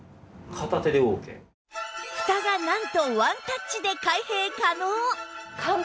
ふたがなんとワンタッチで開閉可能